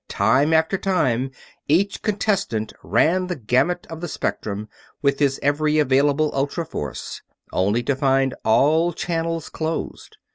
Time after time each contestant ran the gamut of the spectrum with his every available ultra force, only to find all channels closed.